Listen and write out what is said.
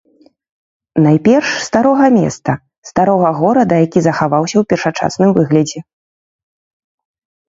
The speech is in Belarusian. Найперш, старога места, старога горада, які захаваўся ў першасным выглядзе.